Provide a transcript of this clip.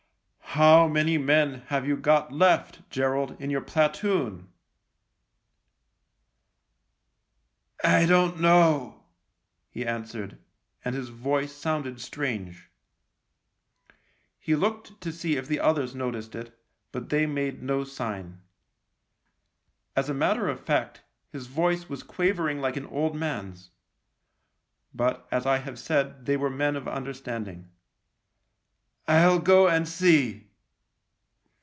" How many men have you got left, Gerald, in your platoon ?"" I don't know," he answered, and his voice sounded strange. He looked to see if the others noticed it, but they made no sign. As a matter of fact, his voice was quavering like an old man's — but, as I have said, they were men of understanding. "I'll go and see."